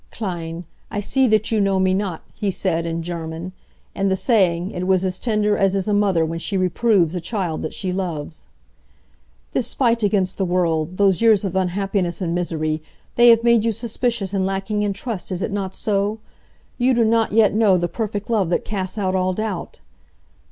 "Kleine, I see that you know me not," he said, in German, and the saying it was as tender as is a mother when she reproves a child that she loves. "This fight against the world, those years of unhappiness and misery, they have made you suspicious and lacking in trust, is it not so? You do not yet know the perfect love that casts out all doubt.